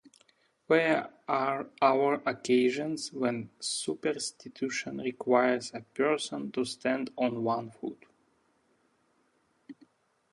There are other occasions when superstition requires a person to stand on one foot.